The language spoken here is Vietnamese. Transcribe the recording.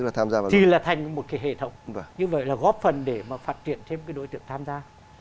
chỉ là thành một cái hệ thống như vậy là góp phần để mà phát triển thêm cái đối tượng tham gia